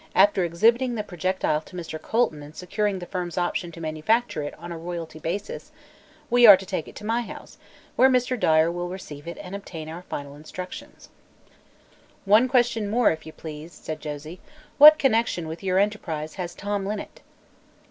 After exhibiting the projectile to Mr. Colton and securing the firm's option to manufacture it on a royalty basis, we are to take it to my house, where Mr. Dyer will receive it and obtain our final instructions." "One question more, if you please," said Josie. "What connection with your enterprise has Tom Linnet?"